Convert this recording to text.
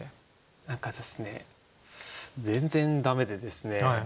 何かですね全然駄目でですね